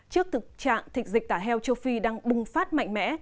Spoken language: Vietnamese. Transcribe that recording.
trước thực trạng dịch tả heo châu phi đang bùng phát mạnh mẽ